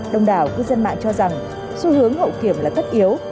đồng đảo cư dân mạng cho rằng xu hướng hậu kiểm là tất yếu